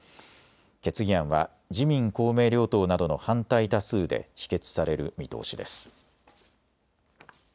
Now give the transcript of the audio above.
決議案は自民公明両党などの反対多数で否決される見通しです。